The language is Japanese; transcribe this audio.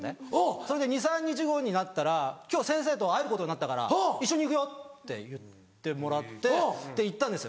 それで２３日後になったら「今日先生と会えることになったから一緒に行くよ」って言ってもらって行ったんですよ。